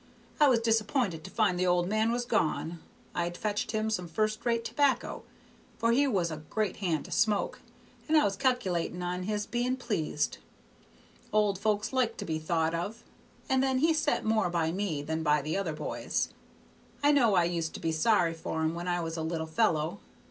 I was disapp'inted to find the old man was gone. I'd fetched him some first rate tobacco, for he was a great hand to smoke, and I was calc'latin' on his being pleased: old folks like to be thought of, and then he set more by me than by the other boys. I know I used to be sorry for him when I was a little fellow.